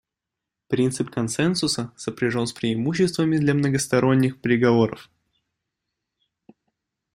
Принцип консенсуса сопряжен с преимуществами для многосторонних переговоров.